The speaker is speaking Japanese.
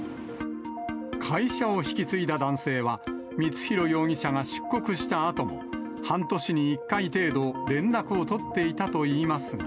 会社を引き継いだ男性は、光弘容疑者が出国したあとも、半年に１回程度、連絡を取っていたといいますが。